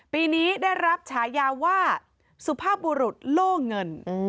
ปีนี้ได้รับฉายาว่าสุภาพบุรุษโล่เงิน